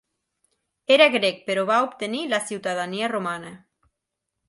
Era grec, però va obtenir la ciutadania romana.